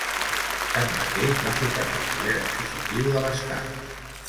Tanmateix, va superar el poder adquisitiu de l'estat.